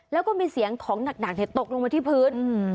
แล้วก็มีเสียงของหนักตกลงมาที่พื้น